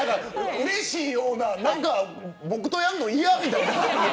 うれしいような僕とやるの嫌みたいな。